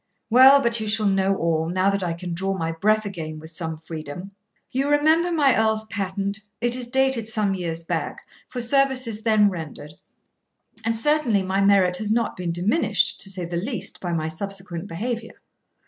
Well, but you shall know all, now that I can draw my breath again with some freedom. You remember my earl's patent; it is dated some years back, for services then rendered; and certainly my merit has not been diminished, to say the least, by my subsequent behaviour.